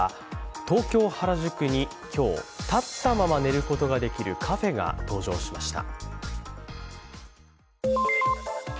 東京・原宿に今日、立ったまま寝ることができるカフェが登場しました。